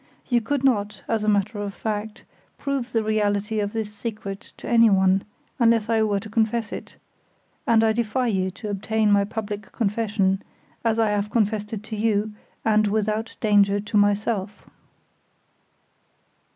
You could not, as a matter of fact, prove the reality of this secret to anyone, unless I were to confess it, and I defy you to obtain my public confession, as I have confessed it to you, and without danger to myself."